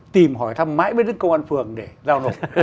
tìm hỏi thăm mãi với công an phường để giao nộp